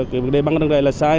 vì vấn đề bắn vào đường rây là sai